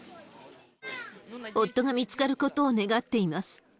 夫が見つかることを願っています。